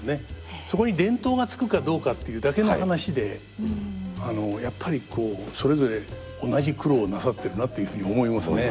そこに伝統がつくかどうかっていうだけの話でやっぱりこうそれぞれ同じ苦労をなさってるなというふうに思いますね。